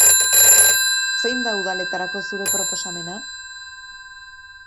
Zein da udaletarako zure proposamena?